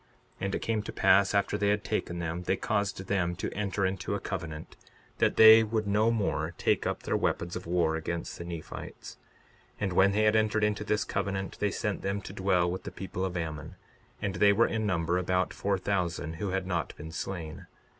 62:16 And it came to pass after they had taken them, they caused them to enter into a covenant that they would no more take up their weapons of war against the Nephites. 62:17 And when they had entered into this covenant they sent them to dwell with the people of Ammon, and they were in number about four thousand who had not been slain.